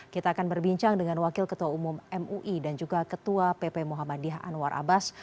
kita akan berbincang dengan wakil ketua umum mui dan juga ketua pp muhammadiyah anwar abbas